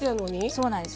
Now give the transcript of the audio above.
そうなんです。